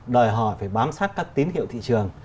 đòi hỏi phải bám sát các tín hiệu thị trường